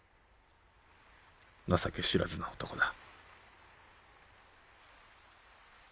情け知らずの男だ。